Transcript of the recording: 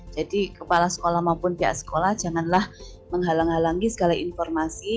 jadi kepala sekolah maupun pihak sekolah janganlah menghalang halangi segala informasi